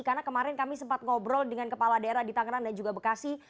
karena kemarin kami sempat ngobrol dengan kepala daerah di tangerang dan juga bekasi